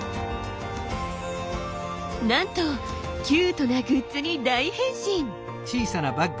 なんとキュートなグッズに大変身！